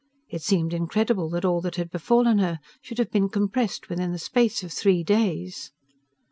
It seemed incredible that all that had befallen her should have been compressed within the space of three days!